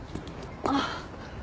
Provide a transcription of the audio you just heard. あっ。